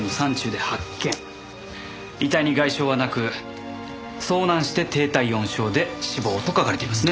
遺体に外傷はなく遭難して低体温症で死亡と書かれていますね。